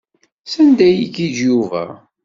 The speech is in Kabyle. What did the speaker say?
Sanda ad igiǧǧ Yuba?